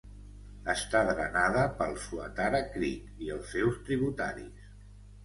Està drenada pel Swatara Creek i els seus tributaris.